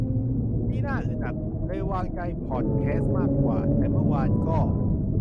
นี่น่าอึดอัด เลยวางใจพอดแคสต์มากกว่า แต่เมื่อวานก็